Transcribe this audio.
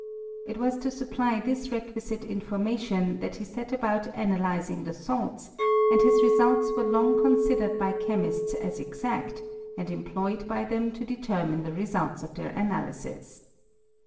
It was to supply this requisite information that he set about analyzing the salts, and his results were long considered by chemists as exact, and employed by them to deter mine the results of their analyses.